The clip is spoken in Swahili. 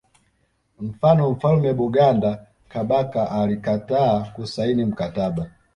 Mfano mfalme Buganda Kabaka alikataa kusaini mkataba